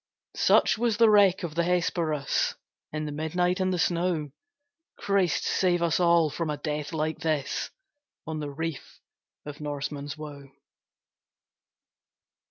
Such was the wreck of the Hesperus, In the midnight and the snow! Christ save us all from a death like this, On the reef of Norman's Woe!